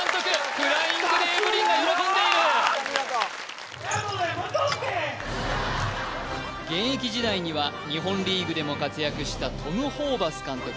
フライングでエブリンが喜んでいる現役時代には日本リーグでも活躍したトム・ホーバス監督